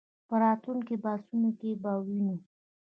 په راتلونکو بحثونو کې به ووینو.